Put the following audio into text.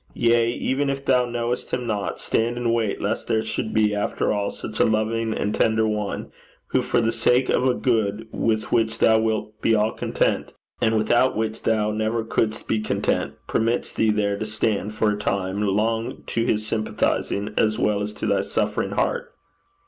Yea, even if thou knowest him not, stand and wait, lest there should be, after all, such a loving and tender one, who, for the sake of a good with which thou wilt be all content, and without which thou never couldst be content, permits thee there to stand for a time long to his sympathizing as well as to thy suffering heart."'